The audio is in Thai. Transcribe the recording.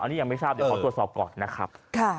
อันนี้ยังไม่ทราบเดี๋ยวขอตรวจสอบก่อนนะครับ